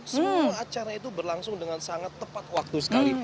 semua acara itu berlangsung dengan sangat tepat waktu sekali